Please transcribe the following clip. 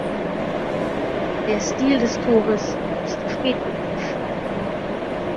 Der Stil des Tores ist spätgotisch.